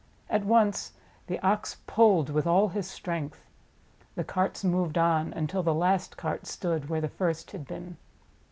At once the Ox pulled with all his strength. The carts moved on until the last cart stood where the first had been.